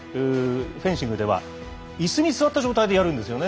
フェンシングではいすに座った状態でやるんですよね。